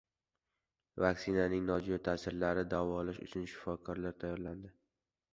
Vaktsinaning nojo‘ya ta’sirlarini davolash uchun shifoxonalar tayyorlandi